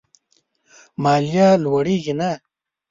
ماليه لوړېږي نه.